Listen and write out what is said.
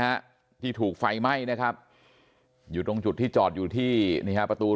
ฮะที่ถูกไฟไหม้นะครับอยู่ตรงจุดที่จอดอยู่ที่นี่ฮะประตู